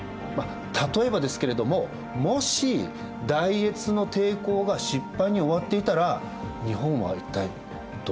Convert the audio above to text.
例えばですけれどももし大越の抵抗が失敗に終わっていたら日本は一体どうなってたでしょうね。